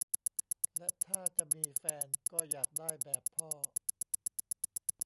และถ้าจะมีแฟน ก็อยากได้แบบพ่อ